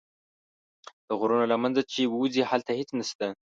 د غرونو له منځه چې ووځې هلته هېڅ نه شته.